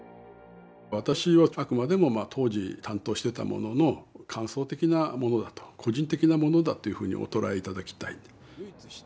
私はあくまでも当時担当してた者の感想的なものだと個人的なものだというふうにお捉え頂きたい。